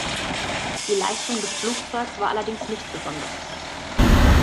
Die Leistung des Flugzeugs war allerdings nicht besonders gut.